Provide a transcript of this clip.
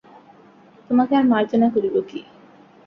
তােমাকে আর মার্জনা করিব কি?